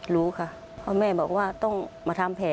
รู้ค่ะเพราะแม่บอกว่าต้องมาทำแผล